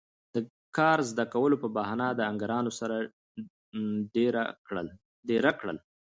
د کار زده کولو پۀ بهانه د آهنګرانو سره دېره کړل